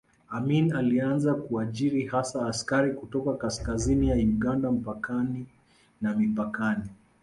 Amin alianza kuajiri hasa askari kutoka kaskazini ya Uganda mpakani na mipakani